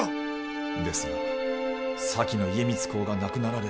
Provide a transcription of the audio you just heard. ですが先の家光公が亡くなられ。